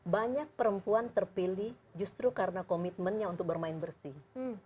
banyak perempuan terpilih justru karena komitmennya untuk bermain bersih